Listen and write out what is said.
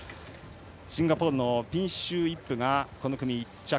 シンガポールのピンシュー・イップがこの組１着。